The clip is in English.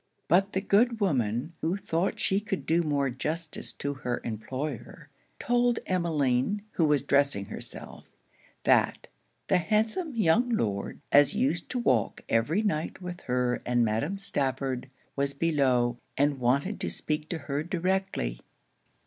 But the good woman, who thought she could do more justice to her employer, told Emmeline, who was dressing herself, that 'the handsome young Lord, as used to walk every night with her and Madam Stafford, was below, and wanted to speak to her directly.'